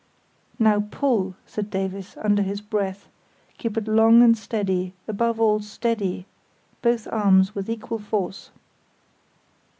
"Now, pull," said Davies, under his breath; "keep it long and steady, above all steady—both arms with equal force."